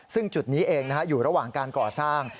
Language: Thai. ซึ่งจุดนี้เองอยู่ระหว่างการก่อสร้าง